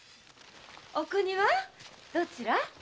お国はどちら？